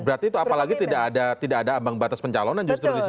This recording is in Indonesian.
berarti itu apalagi tidak ada ambang batas pencalonan justru di situ